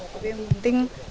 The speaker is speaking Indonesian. tapi yang penting